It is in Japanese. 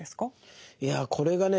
いやこれがね